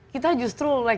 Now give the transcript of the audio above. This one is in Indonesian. kita justru seperti